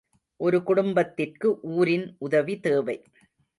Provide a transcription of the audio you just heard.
ஒரு குடும்பத்திற்கு ஊரின் உதவி தேவை.